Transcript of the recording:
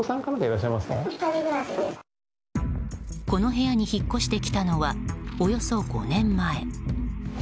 この部屋に引っ越してきたのはおよそ５年前。